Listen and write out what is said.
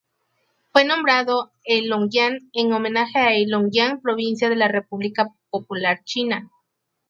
Fue nombrado Heilongjiang en homenaje a Heilongjiang provincia de la República Popular China.